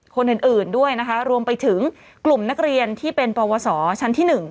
คนอื่นด้วยนะคะรวมไปถึงกลุ่มนักเรียนที่เป็นปวสชั้นที่๑